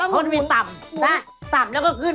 คนมีต่ำนะต่ำแล้วก็ขึ้น